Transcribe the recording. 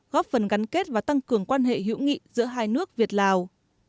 góp phần gắn kết và tăng cường quan hệ hữu nghị giữa hai nước việt lào